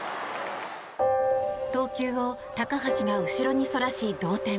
投球を高橋が後ろにそらし同点。